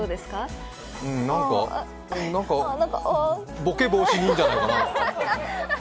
何かボケ防止にいいんじゃないかな。